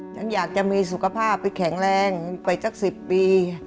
ฉันอยากจะมีสุขภาพไปแข็งแรงไปสัก๑๐ปี